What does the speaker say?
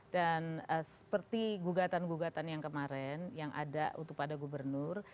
dan seperti gugatan gugatan yang kemarin yang ada untuk pada gubernur